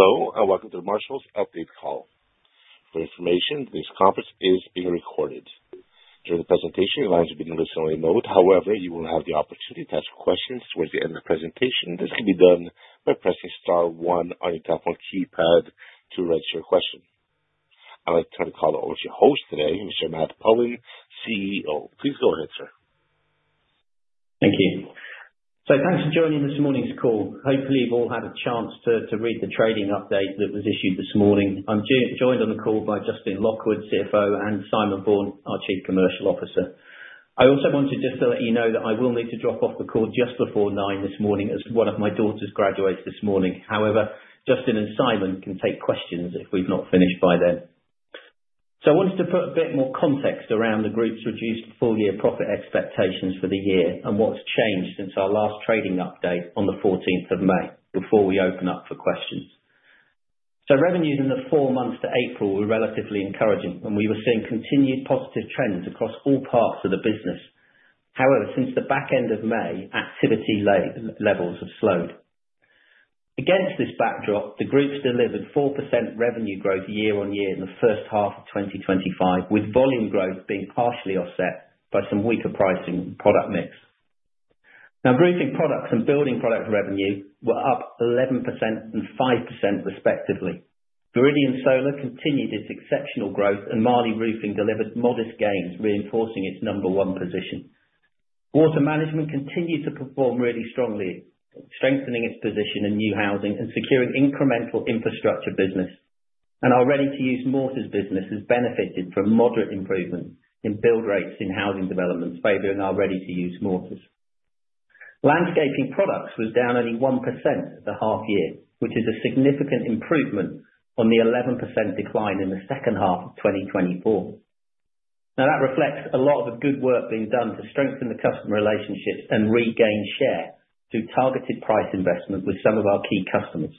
Hello, and welcome to the Marshalls' update call. For information, this conference is being recorded. During the presentation, your lines will be in a listed-only mode. However, you will have the opportunity to ask questions towards the end of the presentation. This can be done by pressing star one on your telephone keypad to register your question. I'd like to turn the call over to our host today, who is Matt Pullen, CEO. Please go ahead, sir. Thank you. Thank you for joining this morning's call. Hopefully, you've all had a chance to read the trading update that was issued this morning. I'm joined on the call by Justin Lockwood, CFO, and Simon Bourne, our Chief Commercial Officer. I also wanted to let you know that I will need to drop off the call just before 9:00 a.m. this morning as one of my daughters graduates this morning. However, Justin and Simon can take questions if we've not finished by then. I wanted to put a bit more context around the group's reduced full-year profit expectations for the year and what's changed since our last trading update on the 14th of May before we open up for questions. Revenues in the four-months to April were relatively encouraging, and we were seeing continued positive trends across all parts of the business. However, since the back-end of May, activity levels have slowed. Against this backdrop, the group delivered 4% revenue growth year-on-year in the first half of 2025, with volume growth being partially offset by some weaker pricing and product mix. Now, Roofing Products and Building Products revenue were up 11% and 5% respectively. Viridian Solar continued its exceptional growth, and Marley Roofing delivered modest gains, reinforcing its number one position. Water Management continues to perform really strongly, strengthening its position in new housing and securing incremental infrastructure business. Our ready-to-use mortars business has benefited from moderate improvement in build rates in housing developments, favoring our ready-to-use mortars. Landscaping Products was down only 1% at the half-year, which is a significant improvement on the 11% decline in the second half of 2024. That reflects a lot of the good work being done to strengthen the customer relationships and regain share through targeted price investment with some of our key customers.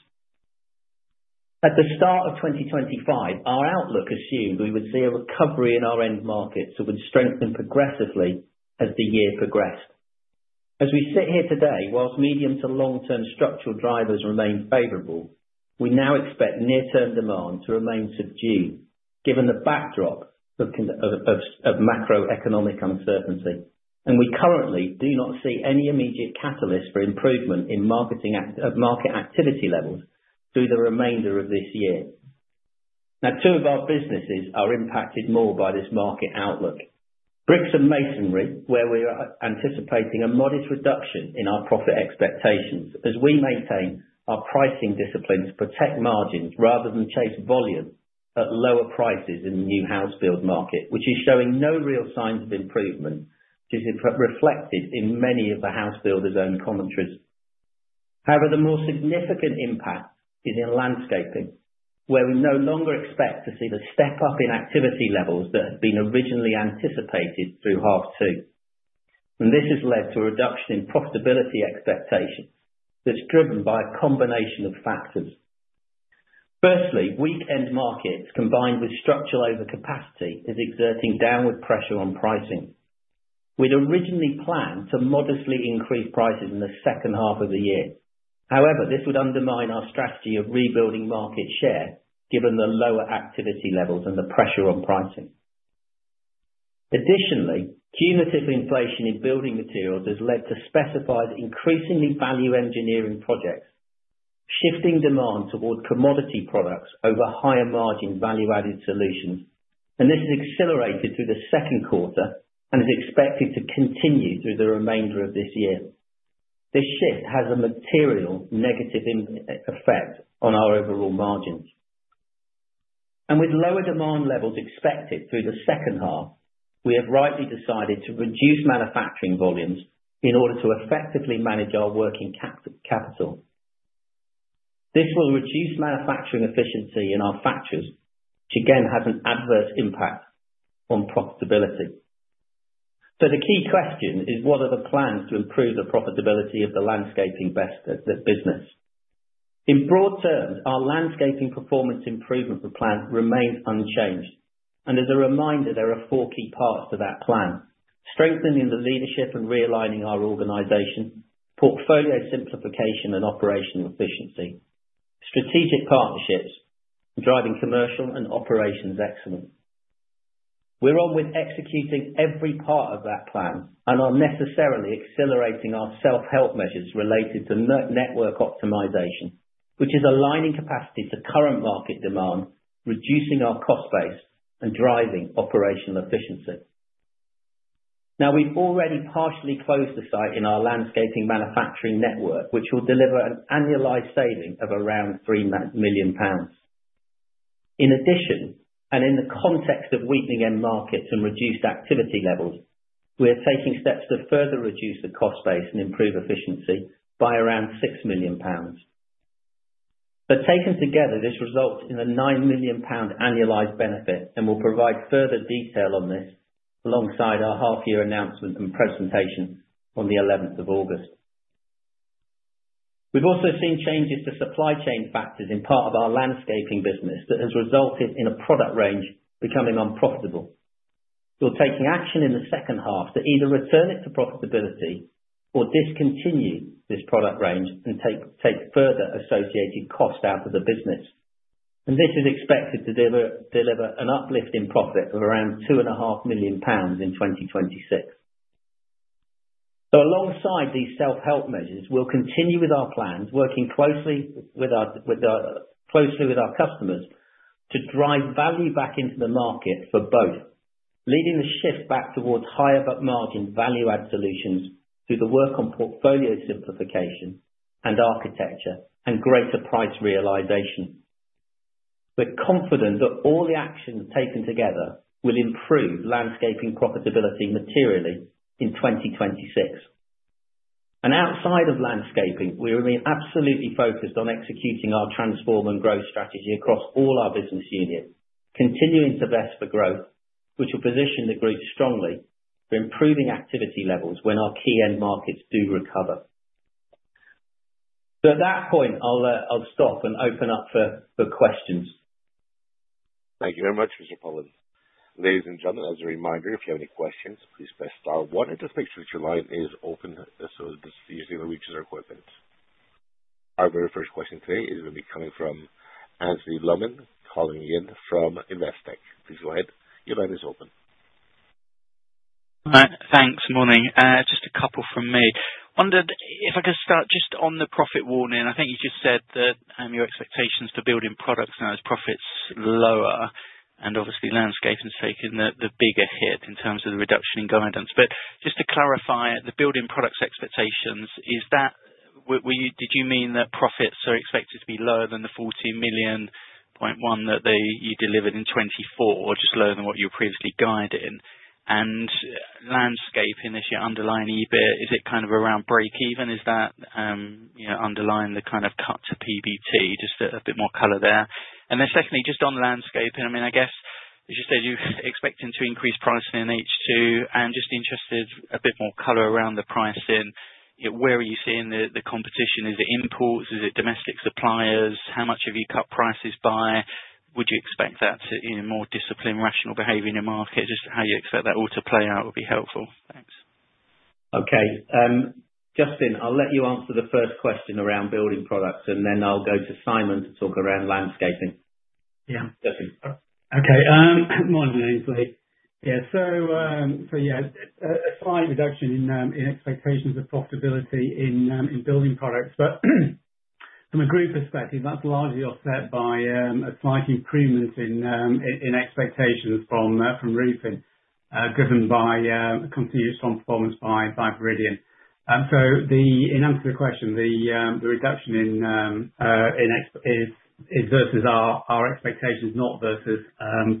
At the start of 2025, our outlook assumed we would see a recovery in our end markets that would strengthen progressively as the year progressed. As we sit here today, whilst medium-to-long-term structural drivers remain favorable, we now expect near-term demand to remain subdued given the backdrop of macroeconomic uncertainty. We currently do not see any immediate catalysts for improvement in market activity levels through the remainder of this year. Now, two of our businesses are impacted more by this market outlook: Bricks and Masonry, where we are anticipating a modest reduction in our profit expectations as we maintain our pricing disciplines to protect margins rather than chase volume at lower prices in the new-house-build market, which is showing no real signs of improvement, which is reflected in many of the house builders' own commentary. However, the more significant impact is in landscaping, where we no longer expect to see the step up in activity levels that had been originally anticipated through half two. This has led to a reduction in profitability expectation that's driven by a combination of factors. Firstly, weak end markets combined with structural overcapacity is exerting downward pressure on pricing. We'd originally planned to modestly increase prices in the second-half of the year. However, this would undermine our strategy of rebuilding market share given the lower activity levels and the pressure on pricing. Additionally, cumulative inflation in building materials has led to specified increasingly value-engineering projects, shifting demand toward commodity products over higher-margin value-added solutions. This has accelerated through the second quarter and is expected to continue through the remainder of this year. This shift has a material negative effect on our overall margins. With lower demand levels expected through the second half, we have rightly decided to reduce manufacturing volumes in order to effectively manage our working capital. This will reduce manufacturing efficiency in our factories, which again has an adverse impact on profitability. The key question is what are the plans to improve the profitability of the landscaping business? In broad terms, our landscaping performance improvement plan remains unchanged. As a reminder, there are four-key-parts to that plan: strengthening the leadership and realigning our organization, portfolio simplification and operational efficiency, strategic partnerships, and driving commercial and operations excellence. We're on with executing every part of that plan and are necessarily accelerating our self-help measures related to network optimization, which is aligning capacity to current market demand, reducing our cost base, and driving operational efficiency. Now, we've already partially closed the site in our landscaping manufacturing network, which will deliver an annualized saving of around 3 million pounds. In addition, in the context of weakening end markets and reduced activity levels, we are taking steps to further reduce the cost base and improve efficiency by around 6 million pounds. Taken together, this results in a 9 million pound annualized benefit and we will provide further detail on this alongside our half-year announcement and presentation on the 11th of August. We've also seen changes to supply chain factors in part of our landscaping business that has resulted in a product range becoming unprofitable. We are taking action in the second half to either return it to profitability or discontinue this product range and take further associated costs out of the business. This is expected to deliver an uplift in profit of around 2.5 million pounds in 2026. Alongside these self-help measures, we'll continue with our plans, working closely with our customers to drive value back into the market for both, leading the shift back towards higher margin value-add solutions through the work on portfolio simplification and architecture and greater price realization. We're confident that all the actions taken together will improve landscaping profitability materially in 2026. Outside of landscaping, we remain absolutely focused on executing our transform and growth strategy across all our business units, continuing to vest for growth, which will position the group strongly for improving activity levels when our key end markets do recover. At that point, I'll stop and open up for questions. Thank you very much, Mr. Pullen. Ladies and gentlemen, as a reminder, if you have any questions, please press star one. Just make sure that your line is open so that you're seeing the reach of their equipment. Our very first question today is going to be coming from Anthony Lemon, calling in from Investec. Please go ahead. Your line is open. Thanks, morning. Just a couple from me. I wondered if I could start just on the profit warning. I think you just said that your expectations for Building Products and those profits are lower. Obviously, Landscaping has taken the bigger hit in terms of the reduction in guidance. Just to clarify, the Building Products expectations, is that where you did you mean that profits are expected to be lower than the 14.1 million that you delivered in 2024 or just lower than what you were previously guided? Landscaping this year, underlying EBIT, is it kind of around break-even? Is that, you know, underlying the kind of cut to PBT? Just a bit more color there. Secondly, just on Landscaping, as you said, you're expecting to increase pricing in H2 and just interested in a bit more color around the pricing. Where are you seeing the competition? Is it imports? Is it domestic suppliers? How much have you cut prices by? Would you expect that to, you know, more discipline, rational behavior in your market? How you expect that all to play out would be helpful. Thanks. Okay, Justin, I'll let you answer the first question around Building Products, and then I'll go to Simon to talk around Landscaping. Yeah. Yeah. A slight reduction in expectations of profitability in Building Products, but from a group perspective, that's largely offset by a slight increment in expectations from Roofing driven by a continued strong performance by Viridian. In answer to your question, the reduction is versus our expectations, not versus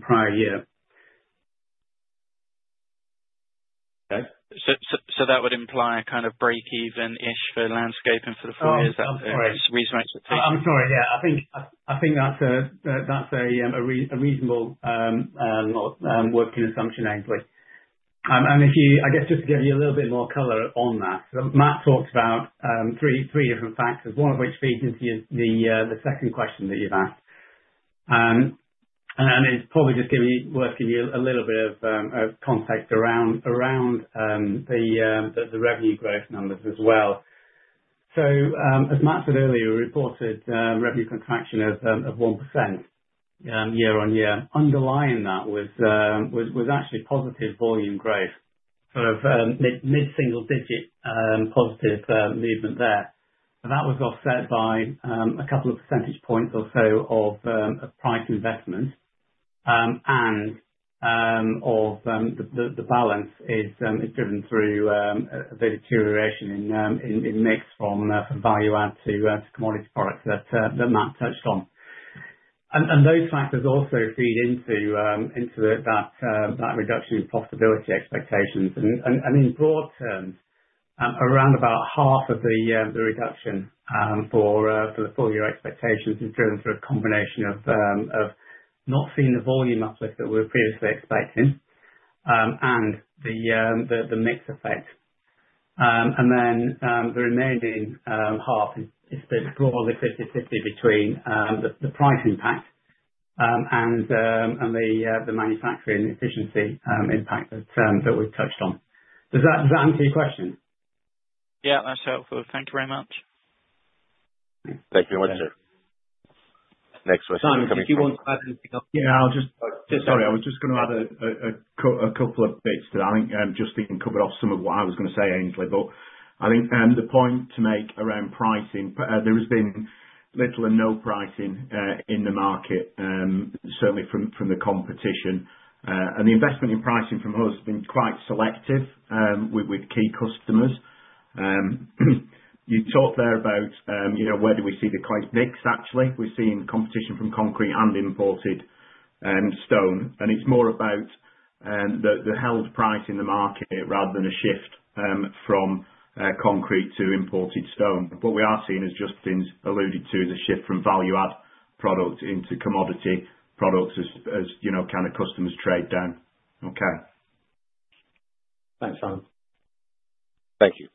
prior year. Okay. That would imply a kind of break-even-ish for landscaping for the four years up there. I'm sorry. Reasonable expectations. I'm sorry. Yeah. I think that's a reasonable working assumption angle. If you, I guess, just to give you a little bit more color on that, Matt talked about three different factors, one of which feeds into the second question that you've asked. It's probably just going to be worth giving you a little bit of context around the revenue growth numbers as well. As Matt said earlier, we reported revenue contraction as of 1% year-on-year. Underlying that was actually positive volume growth, sort of mid-single-digit positive movement there. That was offset by a couple of percentage points or so of price investment, and the balance is driven through a bit of deterioration in mix from value-add to commodity products that Matt touched on. Those factors also feed into that reduction in profitability expectations. In broad terms, around about half of the reduction for the full-year expectations is driven through a combination of not seeing the volume uplift that we were previously expecting and the mix effect. The remaining half is split broadly 50/50 between the price impact and the manufacturing efficiency impact that we've touched on. Does that answer your question? Yeah, that's helpful. Thank you very much. Thank you very much, sir. Next question. Simon, did you want to add anything? Yeah, I was just going to add a couple of bits that I think just we can cover off some of what I was going to say, Ainsley. I think the point to make around pricing, there has been little and no pricing in the market certainly from the competition. The investment in pricing from us has been quite selective with key customers. You talked there about, you know, where do we see the quite mix actually? We're seeing competition from concrete and imported stone. It's more about the held price in the market rather than a shift from concrete to imported stone. What we are seeing is just things alluded to as a shift from value-add products into commodity products as, as you know, kind of customers trade down. Okay. Thanks, Simon. Thank you.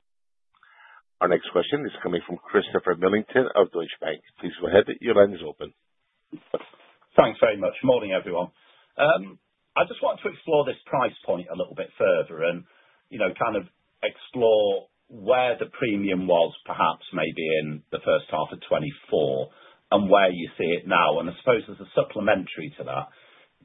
Our next question is coming from Christopher Millington of Deutsche Bank. Please go ahead. Your line is open. Thanks very much. Morning, everyone. I just want to explore this price point a little bit further and explore where the premium was perhaps in the first half of 2024 and where you see it now. I suppose as a supplementary to that,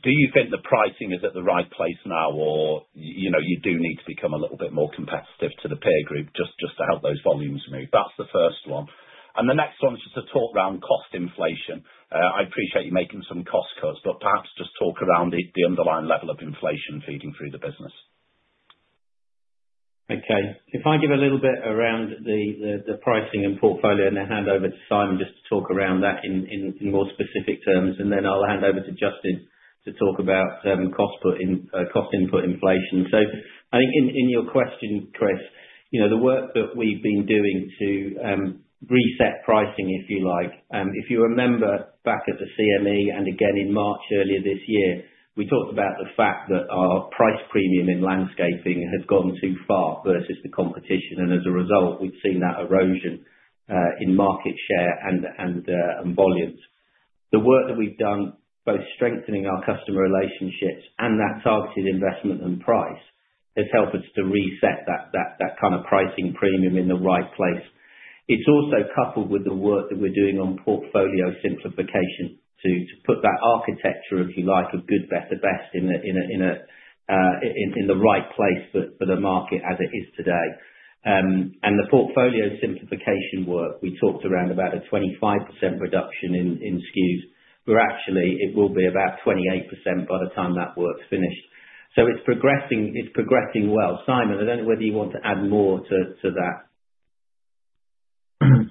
do you think the pricing is at the right place now or do you need to become a little bit more competitive to the peer group just to help those volumes move? That's the first one. The next one is just to talk around cost inflation. I appreciate you making some cost-cuts, but perhaps just talk around the underlying level of inflation feeding through the business. Okay. If I give a little bit around the pricing and portfolio and then hand over to Simon just to talk around that in more specific terms. Then I'll hand over to Justin to talk about cost-input inflation. I think in your question, Chris, you know, the work that we've been doing to reset pricing, if you like. If you remember back at the CMD and again in March earlier this year, we talked about the fact that our price premium in landscaping has gone too far versus the competition. As a result, we've seen that erosion in market share and volumes. The work that we've done, both strengthening our customer relationships and that targeted investment and price, has helped us to reset that kind of pricing-premium in the right place. It's also coupled with the work that we're doing on portfolio simplification to put that architecture, if you like, of good, the best in the right place for the market as it is today. The portfolio simplification work, we talked around about a 25% reduction in SKUs, where actually it will be about 28% by the time that work's finished. It's progressing, it's well. Simon, I don't know whether you want to add more to that.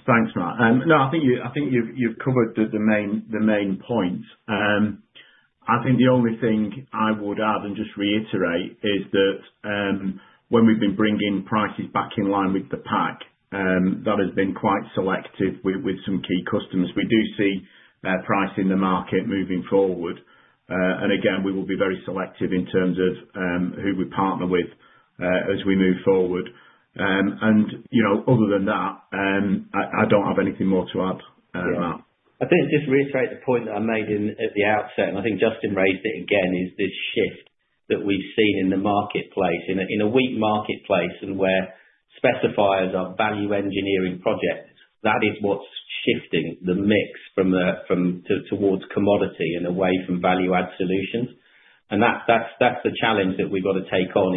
Thanks, Matt. I think you've covered the main points. The only thing I would add and just reiterate is that when we've been bringing prices back in line with the pack, that has been quite selective with some key customers. We do see their price in the market moving forward, and again, we will be very selective in terms of who we partner with as we move forward. Other than that, I don't have anything more to add, Matt. I think just to reiterate the point that I made at the outset, and I think Justin Lockwood raised it again, is this shift that we've seen in the marketplace, in a weak marketplace where specifiers are value-engineering projects. That is what's shifting the mix towards commodity and away from value-add solutions. That's the challenge that we've got to take on,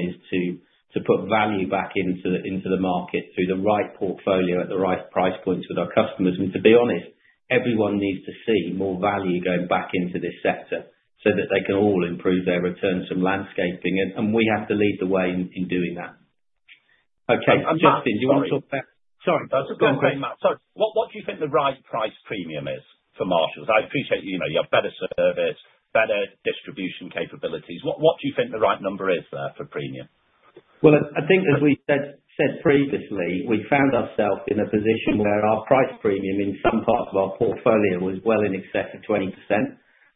to put value-back into the market through the right portfolio at the right price points with our customers. To be honest, everyone needs to see more value going back into this sector so that they can all improve their returns from landscaping. We have to lead the way in doing that. Okay. Justin, do you want to talk about, sorry, Matt. Sorry. What do you think the right price premium is for Marshalls? I appreciate you know you have better service, better distribution capabilities. What do you think the right number is there for premium? I think as we said previously, we found ourselves in a position where our price premium in some parts of our portfolio was well in excess of 20%.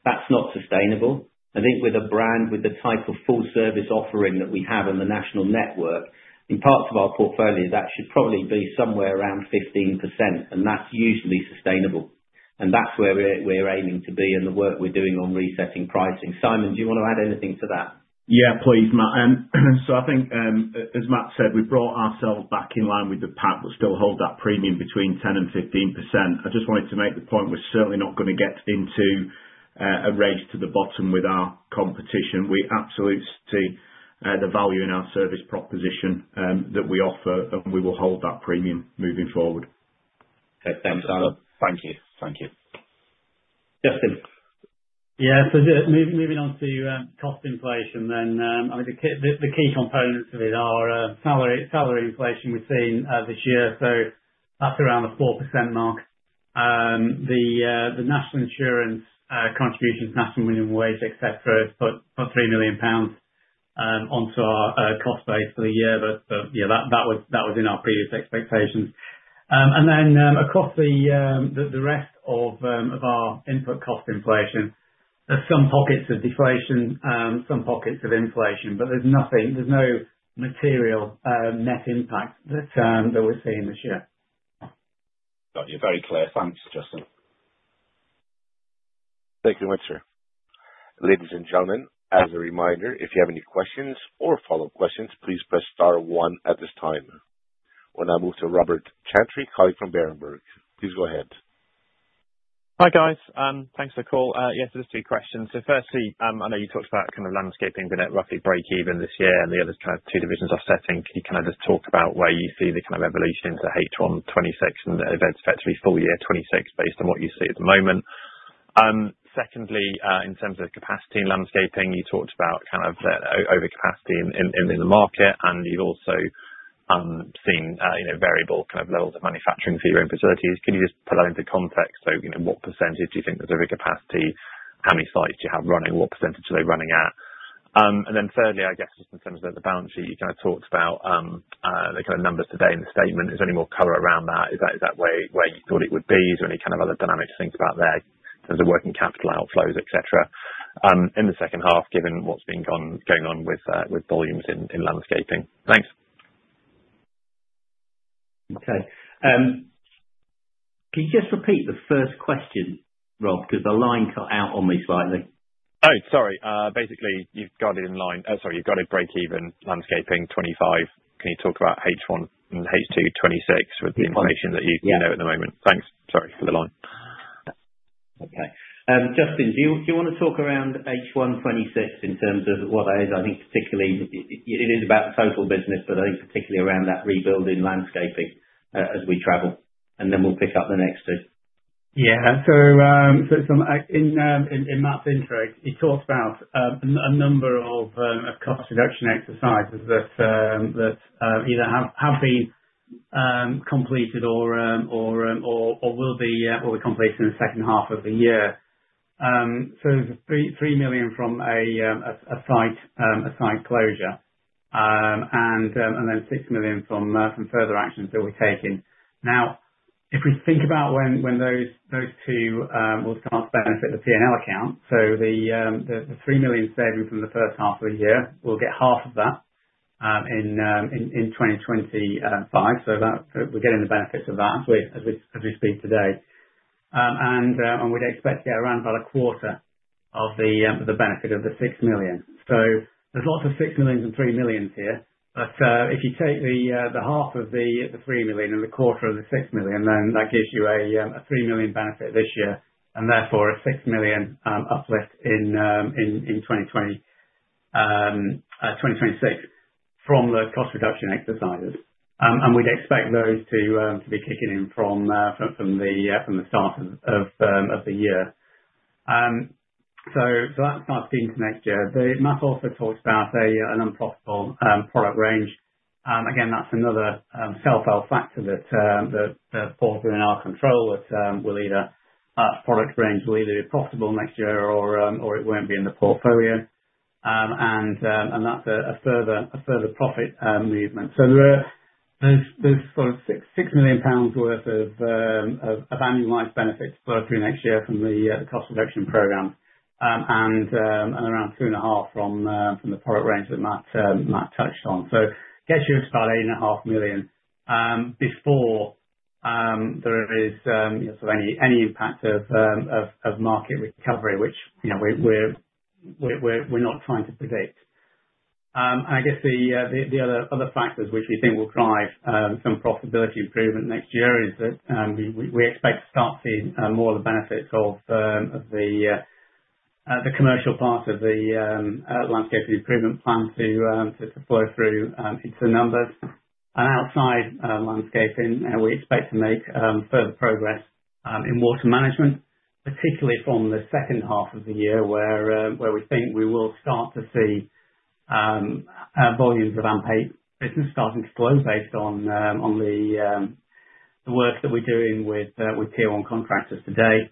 That's not sustainable. I think with a brand, with the type of full-service offering that we have on the national network, in parts of our portfolio, that should probably be somewhere around 15%. That's usually sustainable, and that's where we're aiming to be in the work we're doing on resetting pricing. Simon, do you want to add anything to that? Please, Matt. I think, as Matt said, we brought ourselves back in line with the pack, but still hold that premium between 10% and 15%. I just wanted to make the point we're certainly not going to get into a race to the bottom with our competition. We absolutely see the value in our service proposition that we offer, and we will hold that premium moving forward. Okay. Thanks, Simon. Thank you. Thank you. Justin. Moving on to cost inflation then, the key components of it are salary inflation we've seen this year. That's around a 4% mark. The national insurance contributions, national minimum wage, etc., has put 3 million pounds onto our cost-base for the year. That was in our previous expectations. Across the rest of our input cost inflation, there's some pockets of deflation, some pockets of inflation, but there's nothing, there's no material net impact that we're seeing this year. Got you. Very clear. Thanks, Justin. Thank you very much, sir. Ladies and gentlemen, as a reminder, if you have any questions or follow-up questions, please press star one at this time. I will move to Robert Chantry, colleague from Berenberg. Please go ahead. Hi, guys. Thanks for the call. Yes, there's two questions. Firstly, I know you talked about kind of landscaping being at roughly break-even this year, and the other's kind of two divisions offsetting. Can you just talk about where you see the kind of evolution into H1 2026 and effectively full year 2026 based on what you see at the moment? Secondly, in terms of capacity in landscaping, you talked about kind of overcapacity in the market, and you've also seen variable levels of manufacturing for your own facilities. Can you just put that into context? What percentage do you think there's overcapacity? How many sites do you have running? What percentage are they running at? Thirdly, in terms of the balance sheet, you talked about the kind of numbers today in the statement. Is there any more color around that? Is that where you thought it would be? Is there any other dynamics to think about there in terms of working-capital outflows, etc.? In the second half, given what's been going on with volumes in landscaping. Thanks. Okay. Can you just repeat the first question, Rob, because the line cut out on me slightly? Sorry. Basically, you've got it in line. Sorry. You've got it break-even landscaping 2025. Can you talk about H1 and H2 2026 with the information that you know at the moment? Thanks. Sorry for the line. Okay. Justin, do you want to talk around H1 2026 in terms of what that is? I think particularly it is about the total business, but I think particularly around that rebuilding landscaping as we travel. We'll pick up the next two. In Matt's intro, he talked about a number of cost reduction exercises that either have been completed or will be completed in the second half of the year. It was 3 million from a site closure and then 6 million from further actions that were taken. If we think about when those two will start to benefit the P&L account, the 3 million saving from the first half of the year, we'll get half of that in 2025. We're getting the benefits of that as we speak today. We'd expect to get around a quarter of the benefit of the 6 million. There are lots of 6 millions and 3 millions here, but if you take the half of the 3 million and the quarter of the 6 million, that gives you a 3 million benefit this year and therefore a 6 million uplift in 2026 from the cost reduction exercises. We'd expect those to be kicking in from the start of the year. That starts into next year. Matt also talked about an unprofitable product range. That's another self-help factor that falls within our control. Our product range will either be profitable next year or it won't be in the portfolio, and that's a further profit movement. There are those 6 million pounds worth of annualized benefits flowing through next year from the cost reduction program and around 2.5 million from the product range that Matt touched on. I guess you're at about 8.5 million before there is any impact of market recovery, which we're not trying to predict. The other factors which we think will drive some profitability improvement next year are that we expect to start seeing more of the benefits of the commercial part of the landscaping performance improvement plan to flow through into the numbers. Outside landscaping, we expect to make further progress in Water Management, particularly from the second half of the year where we think we will start to see volumes of unpaid business starting to flow based on the work that we're doing with tier-one contractors today.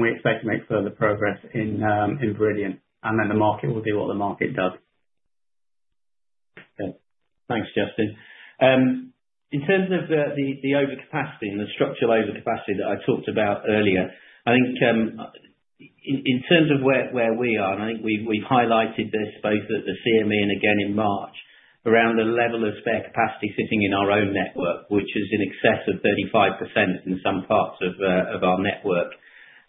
We expect to make further progress in Viridian. The market will do what the market does. Okay. Thanks, Justin. In terms of the overcapacity and the structural-overcapacity that I talked about earlier, I think in terms of where we are, and I think we've highlighted this both at the CMD and again in March, around the level of spare capacity sitting in our own network, which is in excess of 35% in some parts of our network.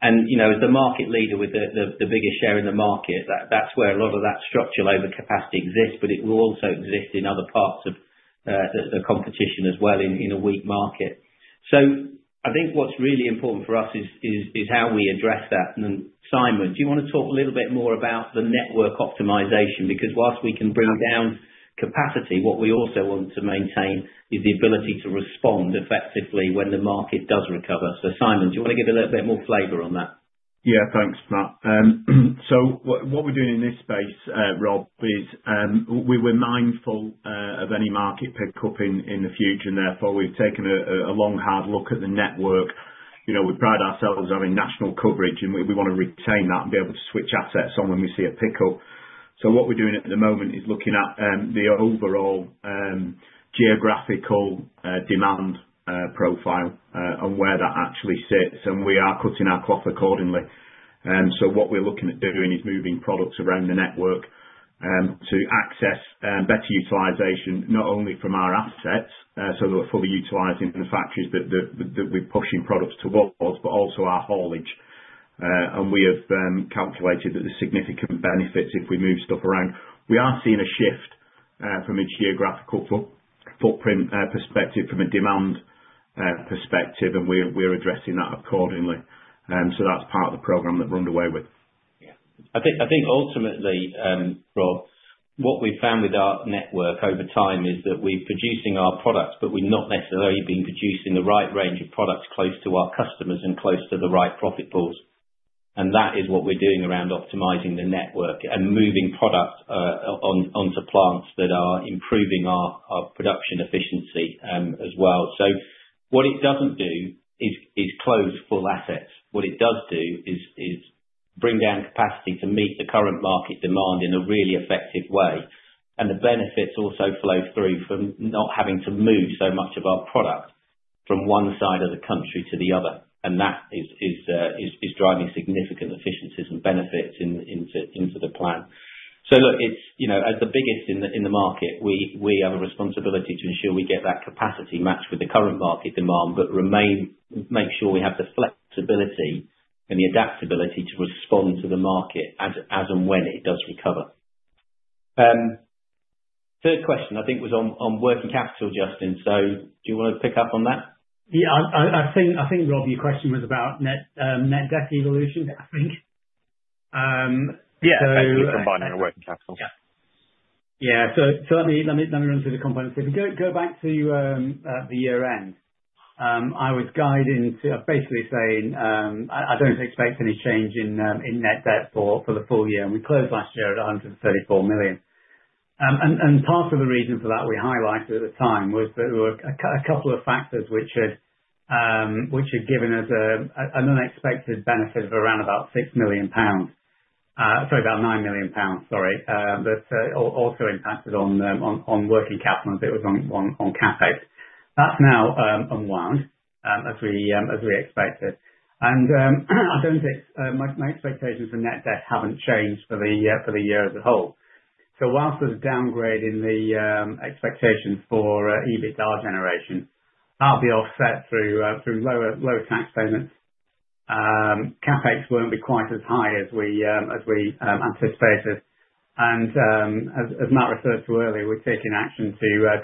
As the market-leader with the biggest share in the market, that's where a lot of that structural overcapacity exists, but it will also exist in other parts of the competition as well in a weak market. I think what's really important for us is how we address that. Simon, do you want to talk a little bit more about the network optimization? Because whilst we can bring down capacity, what we also want to maintain is the ability to respond effectively when the market does recover. Simon, do you want to give a little bit more flavor on that? Yeah, thanks, Matt. What we're doing in this space, Rob, is we were mindful of any market pickup in the future, and therefore, we've taken a long, hard look at the network. We pride ourselves on national coverage, and we want to retain that and be able to switch assets on when we see a pickup. What we're doing at the moment is looking at the overall geographical demand-profile and where that actually sits. We are cutting our cloth accordingly. What we're looking at doing is moving products around the network to access better utilization, not only from our assets, so that we're fully utilizing those factories that we're pushing products towards, but also our haulage. We have calculated that there are significant benefits if we move stuff around. We are seeing a shift from a geographical-footprint perspective, from a demand perspective, and we're addressing that accordingly. That's part of the program that we're underway with. I think ultimately, Rob, what we found with our network over time is that we're producing our products, but we're not necessarily being produced in the right range of products close to our customers and close to the right profit pools. That is what we're doing around optimizing the network and moving products onto plants that are improving our production-efficiency as well. What it doesn't do is close full assets. What it does do is bring down capacity to meet the current market demand in a really effective way. The benefits also flow through from not having to move so much of our product from one side of the country to the other. That is driving significant efficiencies and benefits into the plan. As the biggest in the market, we have a responsibility to ensure we get that capacity matched with the current market demand, but make sure we have the flexibility and the adaptability to respond to the market as and when it does recover. Third question, I think, was on working capital, Justin. Do you want to pick up on that? I think, Rob, your question was about net debt evolution, I think. Yeah. Combining the working capital. Yeah. Yeah. Let me run through the components. If we go back to the year-end, I was guiding to basically saying I don't expect any change in net debt for the full year. We closed last year at 134 million. Part of the reason for that we highlighted at the time was that there were a couple of factors which had given us an unexpected benefit of around about 6 million pounds, sorry, about 9 million pounds, sorry, that also impacted on working-capital and a bit was on CapEx. That's now unwound as we expected. I don't think my expectations for net-debt haven't changed for the year as a whole. Whilst there's a downgrade in the expectations for EBITDA generation, that'll be offset through lower-tax payments. CapEx won't be quite as high as we anticipated. As Matt referred to earlier, we're taking action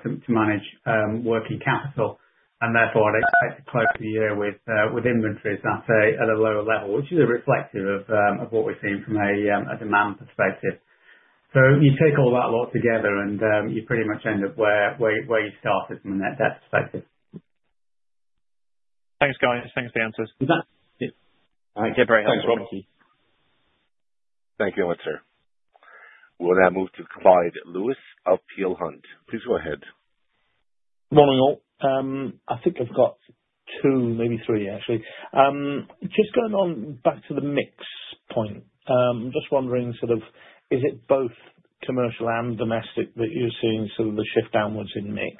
to manage working-capital. Therefore, I'd expect to close the year with inventories at a lower level, which is reflective of what we're seeing from a demand perspective. You take all that lot together and you pretty much end up where you started from a net-debt perspective. Thanks, guys. Thanks for the answers. Thank you very much. Thanks, Rob. Thank you. Thank you very much, sir. We'll now move to Clyde Lewis of Peel Hunt. Please go ahead. Morning all. I think I've got two, maybe three, actually. Just going back to the mix point. I'm just wondering, is it both commercial and domestic that you're seeing the shift downwards in mix?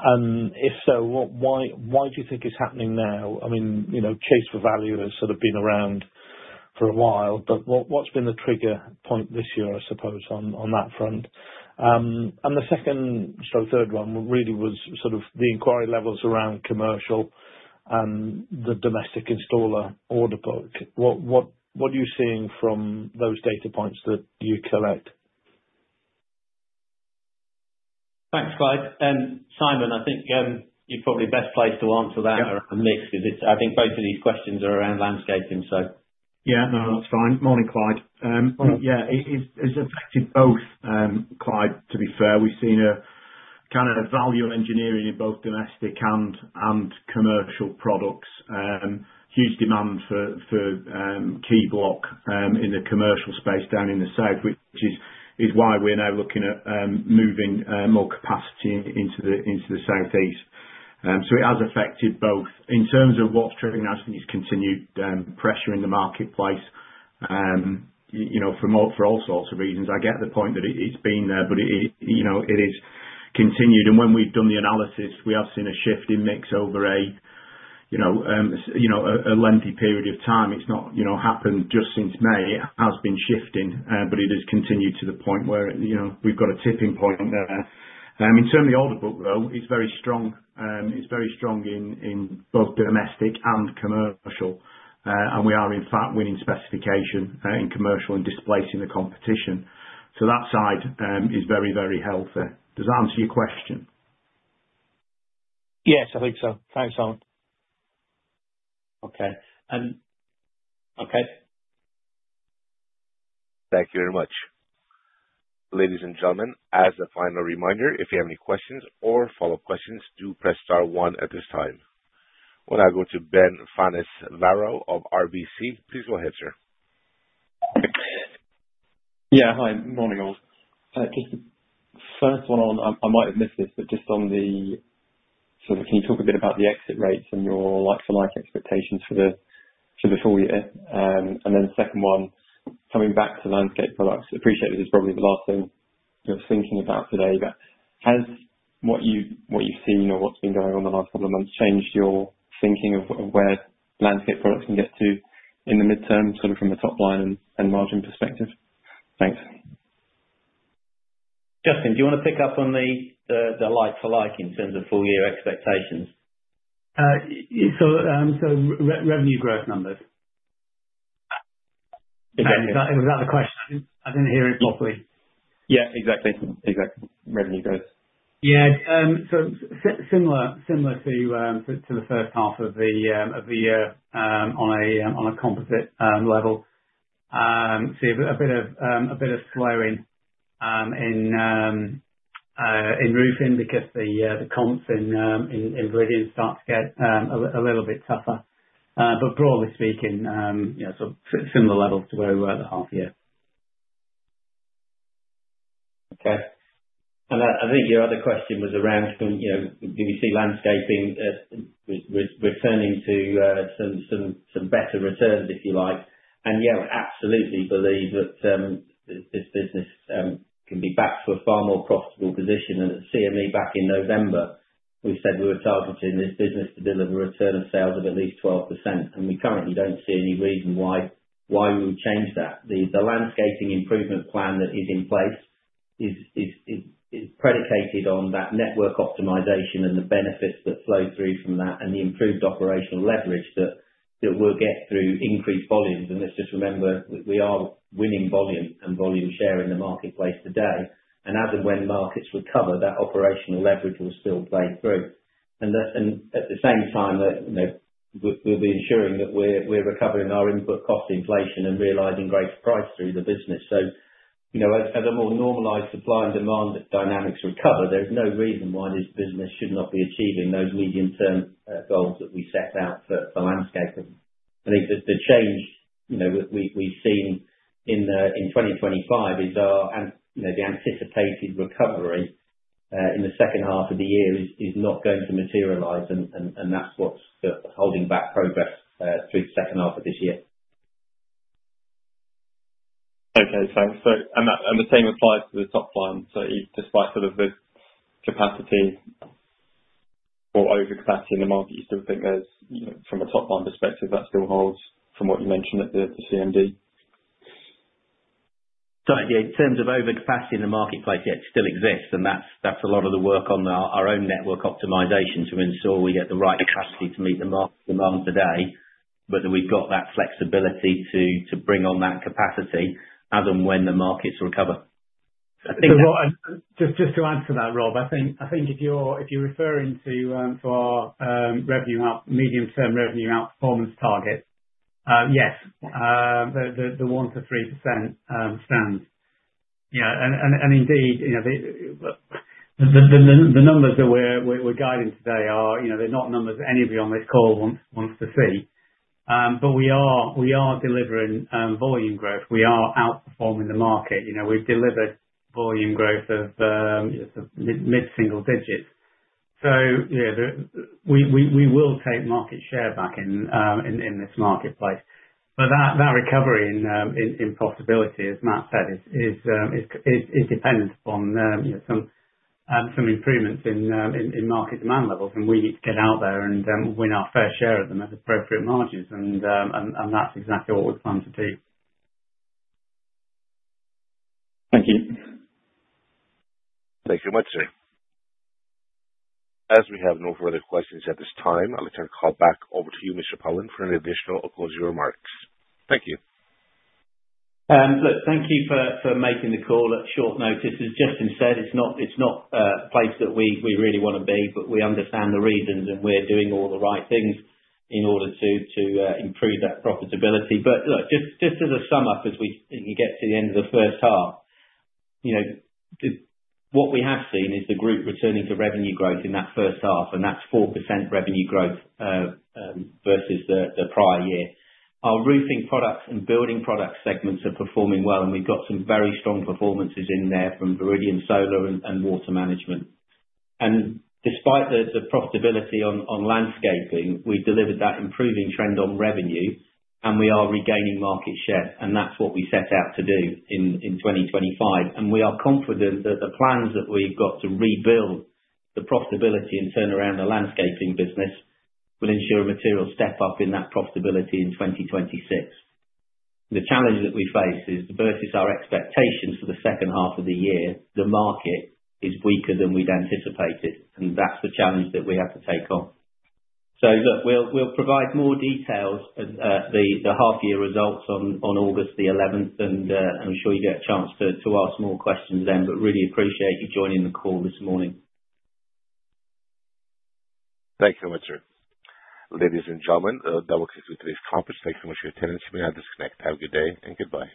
If so, why do you think it's happening now? I mean, the case for value has been around for a while. What's been the trigger point this year, I suppose, on that front? The second, or third one really, was the inquiry levels around commercial and the domestic-installer order book. What are you seeing from those data points that you collect? Thanks, Clyde. Simon, I think you're probably best placed to answer that or a mix. I think both of these questions are around landscaping. Yeah, no, that's fine. Morning, Clyde. Yeah, it's affected both, Clyde, to be fair. We've seen a kind of value-engineering in both domestic and commercial products. Huge demand for key-block in the commercial-space down in the south, which is why we're now looking at moving more capacity into the southeast. It has affected both. In terms of what's driving that, I think it's continued pressure in the marketplace for more for all sorts of reasons. I get the point that it's been there, but it is continued. When we've done the analysis, we have seen a shift in mix over a lengthy-period of time. It's not happened just since May. It has been shifting, but it has continued to the point where we've got a tipping point there. In terms of the order book, though, it's very strong. It's very strong in both domestic and commercial. We are, in fact, winning specification in commercial and displacing the competition. That side is very, very healthy. Does that answer your question? Yes, I think so. Thanks, Alan. Okay. Thank you very much. Ladies and gentlemen, as a final reminder, if you have any questions or follow-up questions, do press star one at this time. We now go to Ben Pfannes-Varro of RBC. Please go ahead, sir. Yeah, hi. Morning all. Just the first one on, I might have missed this, but just on the sort of, can you talk a bit about the exit rates and your like-for-like expectations for the full year? The second one, coming back to Landscaping Products, I appreciate this is probably the last thing you're thinking about today. Has what you've seen or what's been going on the last couple of months changed your thinking of where Landscaping Products can get to in the midterms, sort of from a top-line and margin perspective? Thanks. Justin, do you want to pick up on the like-for-like in terms of full-year expectations? Revenue growth numbers. Okay. Was that the question? I didn't hear it properly. Yeah, exactly. Exactly. Revenue growth. Yeah. Similar to the first half of the year on a composite-level. A bit of slowing in roofing because the comps in Viridian start to get a little bit tougher, but broadly speaking, similar levels to where we were at the half year. Okay. I think your other question was around, you know, do we see landscaping returning to some better-returns, if you like? Yeah, I absolutely believe that this business can be back to a far more profitable position. At CMD back in November, we said we were targeting this business to deliver a return on sales of at least 12%. We currently don't see any reason why we would change that. The landscaping performance improvement plan that is in place is predicated on that network-optimization and the benefits that flow through from that and the improved operational-leverage that we'll get through increased volumes. Let's just remember, we are winning volume and market share in the marketplace today. As and when markets recover, that operational leverage will still play through. At the same time, you know, we'll be ensuring that we're recovering our input-cost-inflation and realizing greater price through the business. As a more normalized supply-and-demand dynamics recover, there's no reason why this business should not be achieving those medium-term goals that we set out for landscaping. I think that the change we've seen in 2025 is that the anticipated recovery in the second half of the year is not going to materialize, and that's what's holding back progress through the second half of this year. Okay, thanks. The same applies to the top line. Despite the capacity or structural-overcapacity in the market, you still think there's, you know, from a top-line perspective, that still holds from what you mentioned at the CMD. In terms of overcapacity in the marketplace, yeah, it still exists. That's a lot of the work on our own network-optimization to ensure we get the right capacity to meet the market demand today, but that we've got that flexibility to bring on that capacity as and when the markets recover. Rob, if you're referring to our medium-term revenue outperformance target, yes, the 1% to 3% stands. Yeah, the numbers that we're guiding today are not numbers that anybody on this call wants to see, but we are delivering volume growth. We are outperforming the market. We've delivered volume growth of mid-single digits, so we will take market-share back in this marketplace. That recovery in profitability, as Matt said, is dependent upon some improvements in market demand levels. We need to get out there and win our fair share of them at the appropriate margins. That's exactly what we're planning to do. Thank you. Thank you very much, sir. As we have no further questions at this time, I'll return the call back over to you, Mr. Pullen, for any additional or closing remarks. Thank you. Thank you for making the call at short notice. As Justin Lockwood said, it's not a place that we really want to be, but we understand the reasons and we're doing all the right things in order to improve that profitability. Just as a sum up, as we get to the end of the first half, what we have seen is the group returning to revenue growth in that first half, and that's 4% revenue growth versus the prior year. Our Roofing-Products and Building-Products segments are performing well, and we've got some very strong performances in there from Viridian Solar and Water Management. Despite the profitability on landscaping, we delivered that improving-trend on revenue, and we are regaining market share. That's what we set out to do in 2025. We are confident that the plans that we've got to rebuild the profitability and turn around the landscaping business will ensure a material step-up in that profitability in 2026. The challenge that we face is our expectations for the second half of the year. The market is weaker than we'd anticipated. I think that's the challenge that we have to take on. We'll provide more details in the half-year results on August 11, and I'm sure you get a chance to ask more questions then, but really appreciate you joining the call this morning. Thank you very much, sir. Ladies and gentlemen, that concludes today's topics. Thanks so much for your attendance. We'll have this next. Have a good day and goodbye.